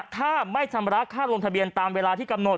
ถ้าไม่ชำระค่าลงทะเบียนตามเวลาที่กำหนด